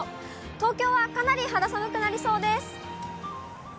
東京はかなり肌寒くなりそうです。